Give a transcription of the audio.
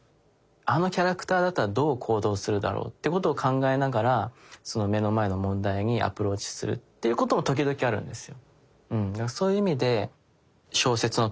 あのキャラクターだったらどう行動するだろうということを考えながら目の前の問題にアプローチするっていうことも時々あるんですよ。